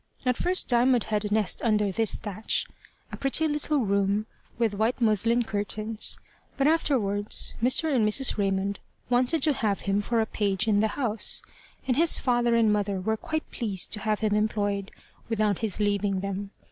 At first Diamond had a nest under this thatch a pretty little room with white muslin curtains, but afterwards Mr. and Mrs. Raymond wanted to have him for a page in the house, and his father and mother were quite pleased to have him employed without his leaving them.